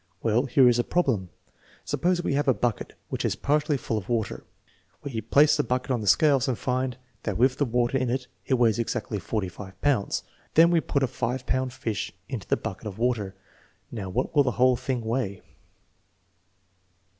Well, here is a problem. Suppose we have a bucket which is partly full of water. We place the bucket on the scales and find that with the water in it it weighs exactly 45 pounds. Then we put a 5 pound fi$h into the bucket of water. Now, what will the whole thing weigh